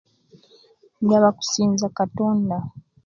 Njaba kusinzia katonda